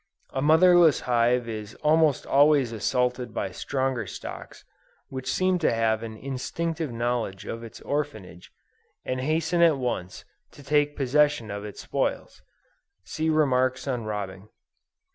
A motherless hive is almost always assaulted by stronger stocks, which seem to have an instinctive knowledge of its orphanage, and hasten at once, to take possession of its spoils. (See Remarks on Robbing.)